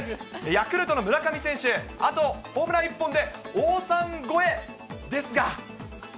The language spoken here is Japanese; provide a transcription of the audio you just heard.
ヤクルトの村上選手、あとホームラン１本で王さん超え、ですが。